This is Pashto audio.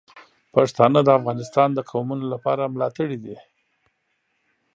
پښتانه د افغانستان د قومونو لپاره ملاتړي دي.